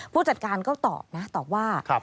ผู้จัดการก็ตอบนะตอบว่า